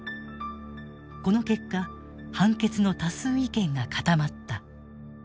この結果判決の多数意見が固まった。